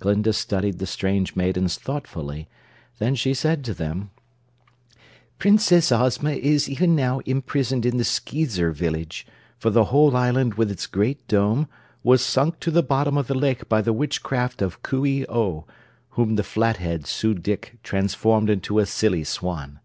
Glinda studied the strange maidens thoughtfully; then she said to them: "Princess Ozma is even now imprisoned in the Skeezer village, for the whole island with its Great Dome, was sunk to the bottom of the lake by the witchcraft of Coo ee oh, whom the Flathead Su dic transformed into a silly swan.